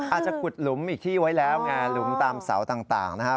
อาจจะขุดหลุมอีกที่ไว้แล้วไงหลุมตามเสาต่างนะครับ